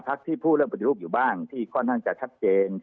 ที่พูดเรื่องปฏิรูปอยู่บ้างที่ค่อนข้างจะชัดเจน